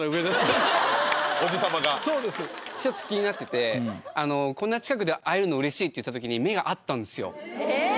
おじ様がそうですひとつ気になっててあのこんな近くで会えるのうれしいって言った時に目が合ったんですよえ！